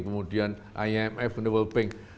kemudian imf double pink